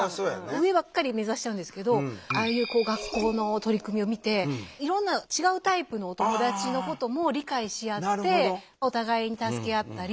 上ばっかり目指しちゃうんですけどああいう学校の取り組みを見ていろんな違うタイプのお友達のことも理解し合ってお互いに助け合ったり。